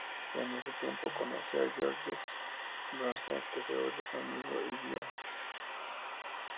En ese tiempo conoce a Georges Brassens que se vuelve su amigo y guía.